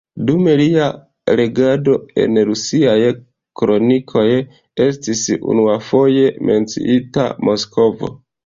Dum lia regado en rusiaj kronikoj estis unuafoje menciita Moskvo.